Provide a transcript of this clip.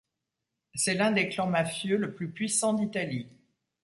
C'est l'un des clans mafieux le plus puissant d'Italie.